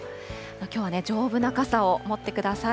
きょうは丈夫な傘を持ってください。